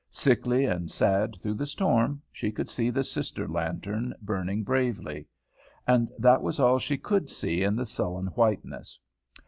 Sickly and sad through the storm, she could see the sister lantern burning bravely. And that was all she could see in the sullen whiteness.